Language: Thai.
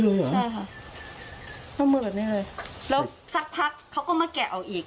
แบบนี้เลยเหรอใช่ค่ะนกมือแบบนี้เลยแล้วสักพักเขาก็มาแกะออกอีก